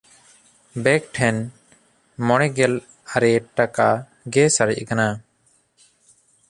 ᱵᱮᱠ ᱴᱷᱮᱱ ᱢᱚᱬᱮᱜᱮᱞ ᱟᱨᱮ ᱴᱟᱠᱟ ᱜᱮ ᱥᱟᱨᱮᱡ ᱠᱟᱱᱟ᱾